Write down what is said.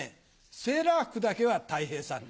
セーラー服だけはたい平さんで。